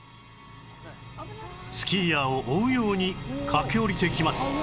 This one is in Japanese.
スキーヤーを追うように駆け下りてきます